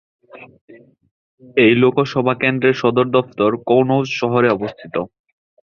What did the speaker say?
এই লোকসভা কেন্দ্রের সদর দফতর কনৌজ শহরে অবস্থিত।